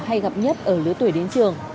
hay gặp nhất ở lứa tuổi đến trường